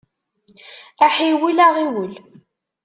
Aḥiwel, aɣiwel!